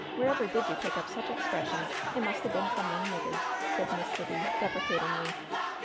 Wherever did you pick up sich expressions ? It must a been from them niggers," said Miss Sibby, deprecatingly.